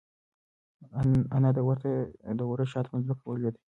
انا د وره شاته په ځمکه ولوېده.